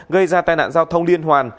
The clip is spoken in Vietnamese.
gây ra tai nạn giao thông liên hoàn